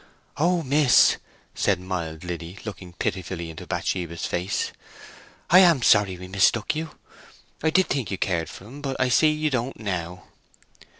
"Oh miss!" said mild Liddy, looking pitifully into Bathsheba's face. "I am sorry we mistook you so! I did think you cared for him; but I see you don't now."